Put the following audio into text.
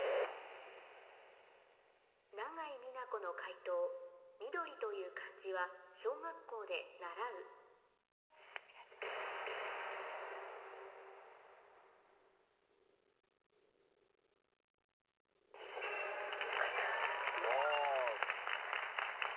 永井美奈子の解答「緑」という漢字は小学校で習うよかった。